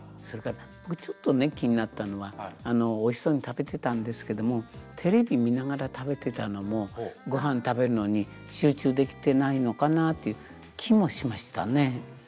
それから僕ちょっとね気になったのはおいしそうに食べてたんですけどもテレビ見ながら食べてたのもご飯食べるのに集中できてないのかなっていう気もしましたね。